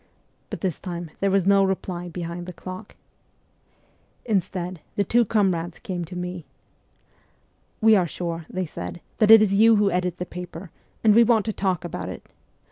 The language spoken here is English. But this time there was no reply behind the clock. Instead the two comrades came to me. ' We are sure/ they said, ' that it is you who edit the paper, and we want to talk about it.